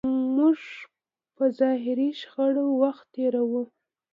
موږ په ظاهري شخړو وخت تېروو.